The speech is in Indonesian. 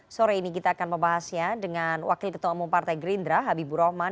sore ini kita akan membahasnya dengan wakil ketua umum partai gerindra habibur rahman